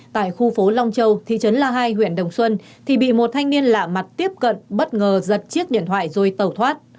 tại khu phố long châu thị trấn la hai huyện đồng xuân thì bị một thanh niên lạ mặt tiếp cận bất ngờ giật chiếc điện thoại rồi tẩu thoát